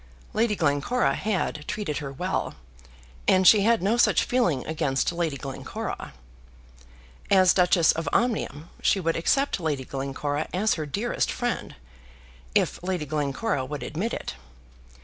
Lady Glencora had treated her well, and she had no such feeling against Lady Glencora. As Duchess of Omnium she would accept Lady Glencora as her dearest friend, if Lady Glencora would admit it.